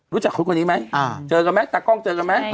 รู้จักคนคนนี้มั้ยเจอกันมั้ยตากล้องเจอกันมั้ย